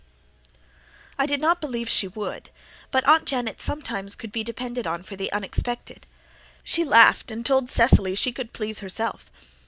I did not believe she would, but Aunt Janet sometimes could be depended on for the unexpected. She laughed and told Cecily she could please herself.